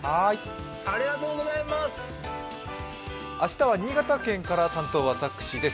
明日は新潟県から、担当私です。